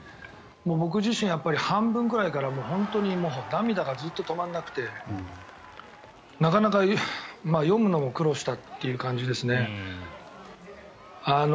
僕自身、半分くらいから涙がずっと止まらなくてなかなか、読むのも苦労したっていう感じですね。